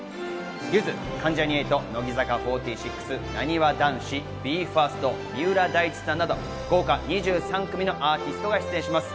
ゆず、関ジャニ∞、乃木坂４６、なにわ男子、ＢＥ：ＦＩＲＳＴ、三浦大知さんなど、豪華２３組のアーティストが出演します。